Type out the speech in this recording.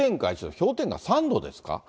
氷点下３度ですか。